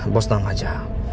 bos jangan ngajar